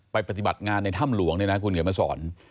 ปฏิบัติงานในถ้ำหลวงเนี่ยนะคุณเขียนมาสอน